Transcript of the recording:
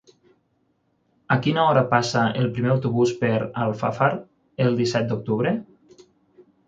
A quina hora passa el primer autobús per Alfafar el disset d'octubre?